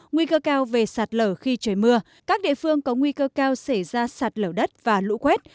nguy cơ cao về sạt lở khi trời mưa các địa phương có nguy cơ cao xảy ra sạt lở đất và lũ quét